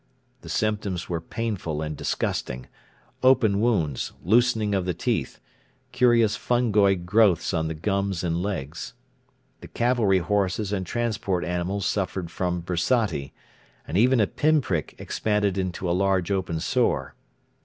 The symptoms were painful and disgusting open wounds, loosening of the teeth, curious fungoid growths on the gums and legs. The cavalry horses and transport animals suffered from bursati, and even a pinprick expanded into a large open sore.